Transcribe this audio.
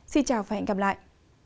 xin chào và hẹn gặp lại